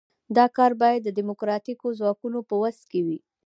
دا کار باید د ډیموکراتیکو ځواکونو په وس کې وي.